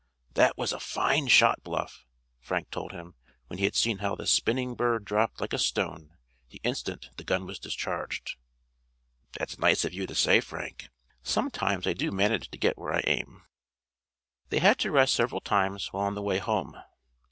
"That was a fine shot, Bluff!" Frank told him, when he had seen how the spinning bird dropped like a stone the instant the gun was discharged. "That's nice of you to say, Frank; sometimes I do manage to get where I aim." They had to rest several times while on the way home.